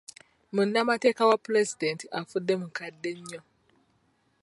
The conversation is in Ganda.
Munnamateeka wa pulezidenti afudde mukadde nnyo.